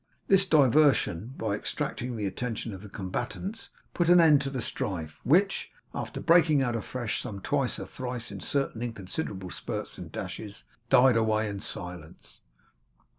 This diversion, by distracting the attention of the combatants, put an end to the strife, which, after breaking out afresh some twice or thrice in certain inconsiderable spurts and dashes, died away in silence.